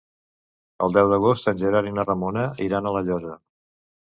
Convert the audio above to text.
El deu d'agost en Gerard i na Ramona iran a La Llosa.